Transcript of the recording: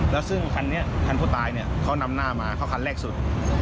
แล้วซึ่งคันนี้คันผู้ตายเนี่ยเขานำหน้ามาเขาคันแรกสุด